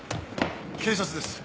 警察です